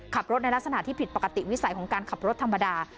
ขับรถในลักษณะที่ผิดปกติวิสัยของการขับรถธรรมดา